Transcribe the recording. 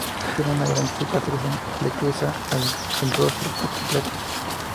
Tiene una gran cicatriz que le cruza el rostro por completo.